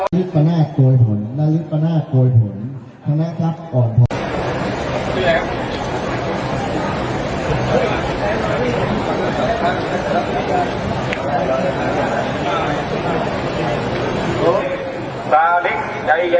นิยมงานโดยดินทรีย์คุณกลับมามั่นขอขอบคุณค่ะ